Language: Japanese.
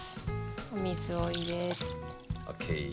お水を入れて。